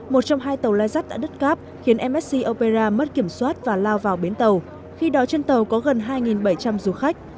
một trong hai tàu lai rắt đã đứt cáp khiến msc opera mất kiểm soát và lao vào bến tàu khi đó trên tàu có gần hai bảy trăm linh du khách